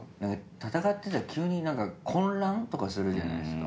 戦ってたら急に何か混乱とかするじゃないですか。